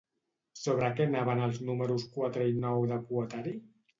Sobre què anaven els números quatre i nou de Poetari?